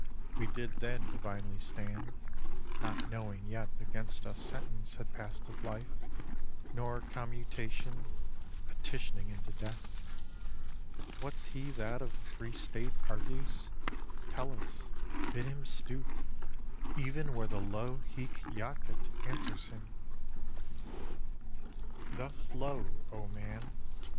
we did then Divinely stand, not knowing yet against us Sentence had passed of life, nor commutation Petitioning into death. What's he that of The Free State argues? Tellus! bid him stoop, Even where the low hic jacet answers him; Thus low, O Man!